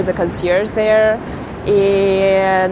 berbicara dengan pengusaha di sana